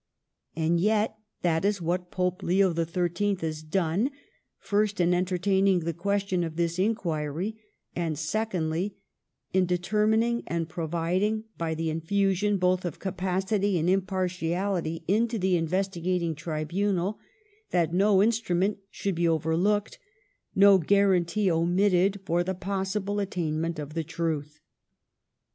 And yet, that is what Pope Leo the Thirteenth has done, first in entertaining the question of this inquiry, and, secondly, in de termining and providing, by the infusion both of capacity and impartiality into the investigating tribunal, that no instrument should be overlooked, no guarantee omitted for the possible attainment of the truth.